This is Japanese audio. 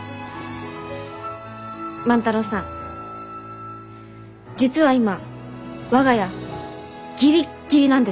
万太郎さん実は今我が家ギリッギリなんです。